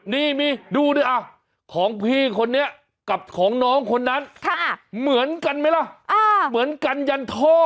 นี่มีดูดิของพี่คนนี้กับของน้องคนนั้นเหมือนกันไหมล่ะเหมือนกันยันท่อ